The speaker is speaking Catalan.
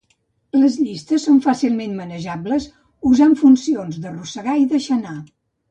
Les llistes són fàcilment manejables usant funcions d'arrossegar i deixar anar.